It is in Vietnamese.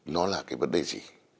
nó là cái vấn đề gì